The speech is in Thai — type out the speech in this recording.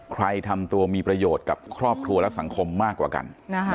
ทำตัวมีประโยชน์กับครอบครัวและสังคมมากกว่ากัน